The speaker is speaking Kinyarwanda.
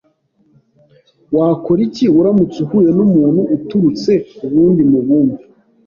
Wakora iki uramutse uhuye numuntu uturutse kuwundi mubumbe?